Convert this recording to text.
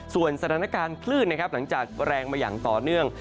ส่วนสถานการณ์คลื่นนะครับหลังจากแรงมาอย่างต่อเนื่อง